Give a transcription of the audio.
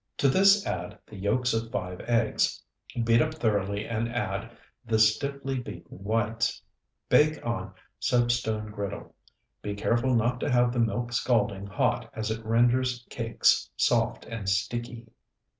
To this add the Yolks of 5 eggs. Beat up thoroughly and add the Stiffly beaten whites. Bake on soapstone griddle. Be careful not to have the milk scalding hot, as it renders cakes soft and sticky.